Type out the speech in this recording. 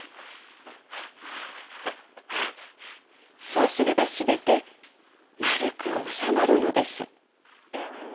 そうすれば全て丸く収まるのです。